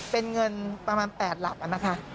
เป็นเงินประมาณ๘หลักนะคะ